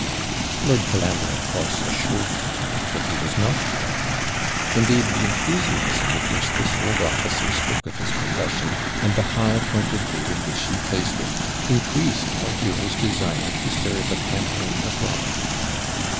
Lord Colambre, of course, assured the count that he was not tired. Indeed, the enthusiasm with which this old officer spoke of his profession, and the high point of view in which he placed it, increased our hero's desire to serve a campaign abroad.